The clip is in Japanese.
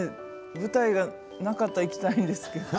舞台がなかったら行きたいんですけどね